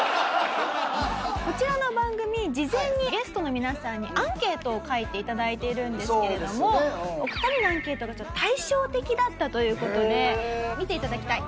こちらの番組事前にゲストの皆さんにアンケートを書いて頂いているんですけれどもお二人のアンケートがちょっと対照的だったという事で見て頂きたい。